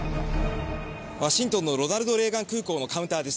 ワシントンのロナルド・レーガン空港のカウンターです。